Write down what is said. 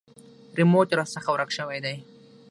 ریموټ راڅخه ورک شوی دی .